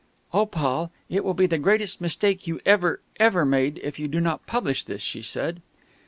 "Oh, Paul, it will be the greatest mistake you ever, ever made if you do not publish this!" she said.